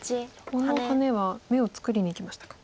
このハネは眼を作りにいきましたか。